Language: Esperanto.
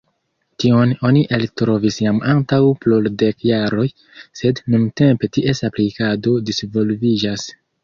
Tion oni eltrovis jam antaŭ plurdek jaroj, sed nuntempe ties aplikado disvolviĝas.